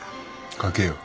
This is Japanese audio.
かけよう。